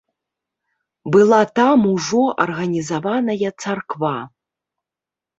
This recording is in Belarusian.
Была там ужо арганізаваная царква.